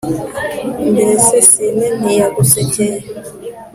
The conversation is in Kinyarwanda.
Mbese Sine ntiyagusekeye